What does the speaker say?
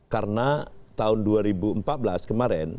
karena tahun dua ribu empat belas kemarin